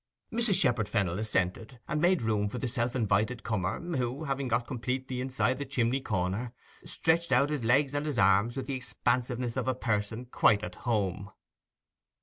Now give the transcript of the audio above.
Mrs. Shepherd Fennel assented, and made room for the self invited comer, who, having got completely inside the chimney corner, stretched out his legs and his arms with the expansiveness of a person quite at home.